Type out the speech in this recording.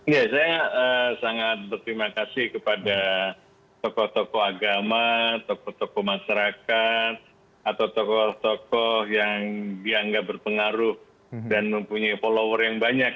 ya saya sangat berterima kasih kepada tokoh tokoh agama tokoh tokoh masyarakat atau tokoh tokoh yang dianggap berpengaruh dan mempunyai follower yang banyak